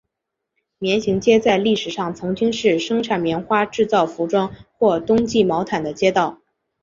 棉行街在历史上曾经是生产棉花制造服装或冬季毛毯的街道。